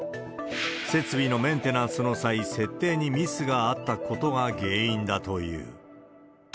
設備のメンテナンスの際、設定にミスがあったことが原因だという。